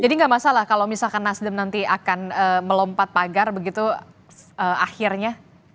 jadi gak masalah kalau misalkan nasdem nanti akan melompat pagar begitu akhirnya